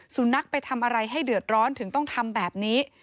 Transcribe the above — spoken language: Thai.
สุนัขไปทำอะไรให้เดือดร้อนถึงต้องทำแบบนี้